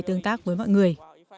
tương tác với mọi người